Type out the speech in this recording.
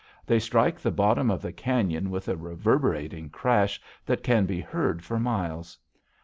They strike the bottom of the canyon with a reverberating crash that can be heard for miles.